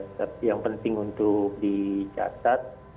tapi yang penting untuk dicatat